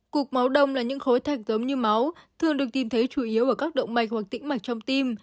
cục máu đông là những khối thạch giống như máu thường được tìm thấy chủ yếu ở các động mạch hoặc tĩnh mạch trong tim